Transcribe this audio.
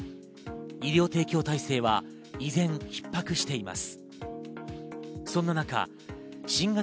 医療提供体制は依然逼迫しています。